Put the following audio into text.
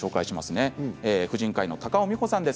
婦人科医の高尾美穂さんです。